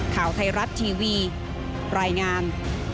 ข่าวไทยรัฐทีวีรายงาน